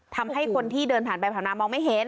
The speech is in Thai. ทำให้คนที่เดินผ่านไปผ่านมามองไม่เห็น